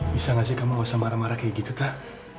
bisa gak sih kamu gak usah marah marah kayak gitu tak